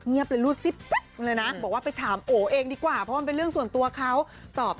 ส่วนอีกหนึ่งผู้สนิทอย่างพี่นิงปานิตาก็ทราบกันดีเลยนะครับ